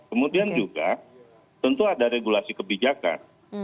kemudian juga tentu ada regulasi kebijakan